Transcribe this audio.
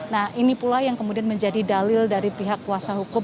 nah ini pula yang kemudian menjadi dalil dari pihak kuasa hukum